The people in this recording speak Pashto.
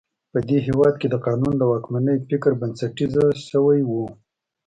په دې هېواد کې د قانون د واکمنۍ فکر بنسټیزه شوی و.